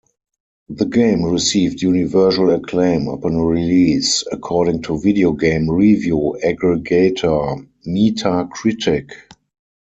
The game received "universal acclaim" upon release according to video game review aggregator Metacritic.